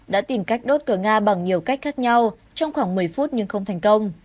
đã tìm cách đốt cờ nga bằng nhiều cách khác nhau trong khoảng một mươi phút nhưng không thành công